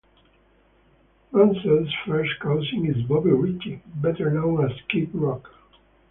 Mancell's first cousin is Bobby Ritchie, better known as Kid Rock.